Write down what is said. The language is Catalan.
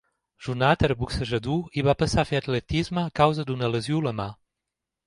Jonath era boxejador i va passar a fer atletisme a causa d'una lesió a la mà.